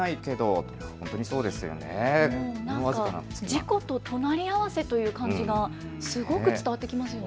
事故と隣り合わせといった感じがすごく伝わってきますよね。